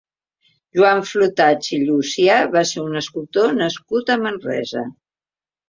Joan Flotats i Llucià va ser un escultor nascut a Manresa.